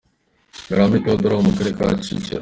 NgarambeTheodore wo mu karere ka Kicukiro.